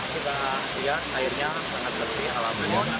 kita lihat airnya sangat bersih ala pun